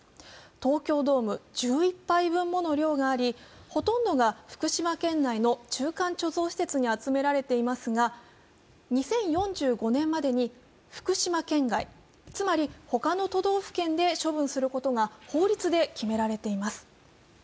東京ドーム１１杯分もの量があり、ほとんどが福島県内の中間貯蔵施設に集められていますが、２０４５年までに福島県外、つまり他の都道府県で処分することが法律で決められています。